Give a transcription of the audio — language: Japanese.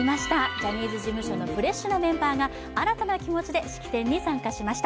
ジャニーズ事務所のフレッシュなメンバーが新たな気持ちで式典に参加しました。